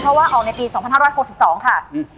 เพราะว่าออกในปี๒๕๖๒ค่ะ